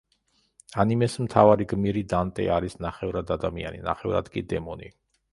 ანიმეს მთავარი გმირი დანტე არის ნახევრად ადამიანი, ნახევრად კი დემონი.